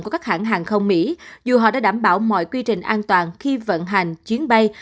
của các hãng hàng không mỹ dù họ đã đảm bảo mọi quy trình an toàn khi vận hành chuyến bay